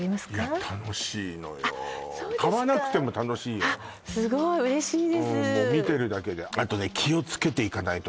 楽しいのよ買わなくても楽しいよすごい嬉しいです見てるだけであとね